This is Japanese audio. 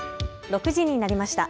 ６時になりました。